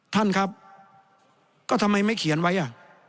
ท่านครับก็ทำไมไม่เขียนไว้อ่ะ